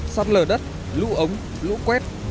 sát lờ đất lũ ống lũ quét